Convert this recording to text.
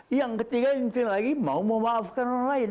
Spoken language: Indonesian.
yang ketiga yang penting lagi mau memaafkan orang lain